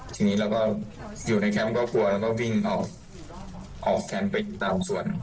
ทีนี้เราก็อยู่ในแคมป์ก็กว่าเราก็วิ่งออกออกเป็นตามส่วน